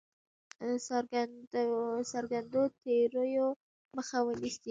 څرګندو تېریو مخه ونیسي.